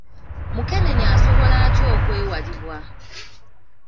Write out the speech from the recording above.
Mukenenya asobola atya okwewalibwa?